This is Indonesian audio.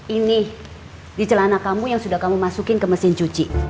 ini di celana kamu yang sudah kamu masukin ke mesin cuci